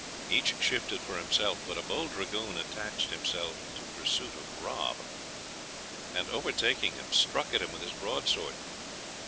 Each shifted for himself, but a bold dragoon attached himself to pursuit of Rob, and overtaking him, struck at him with his broadsword.